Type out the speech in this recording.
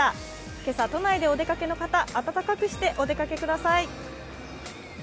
今朝、都内でお出かけの方、暖かくしてお出かけください。